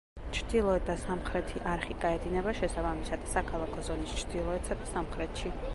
ჩრდილოეთ და სამხრეთი არხი გაედინება შესაბამისად, საქალაქო ზონის ჩრდილოეთსა და სამხრეთში.